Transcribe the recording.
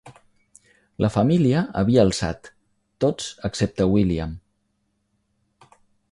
La família havia alçat, tots excepte William.